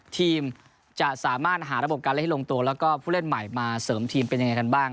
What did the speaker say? ทีมจะสามารถหาระบบการเล่นให้ลงตัวแล้วก็ผู้เล่นใหม่มาเสริมทีมเป็นยังไงกันบ้าง